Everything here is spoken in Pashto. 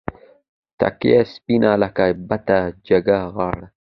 تکه سپینه لکه بته جګه غاړه